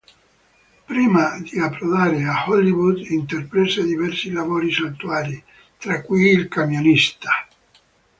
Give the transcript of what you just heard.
Prima di approdare a Hollywood intraprese diversi lavori saltuari, tra cui il camionista.